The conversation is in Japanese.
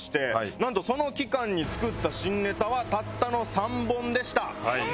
なんとその期間に作った新ネタはたったの３本でした。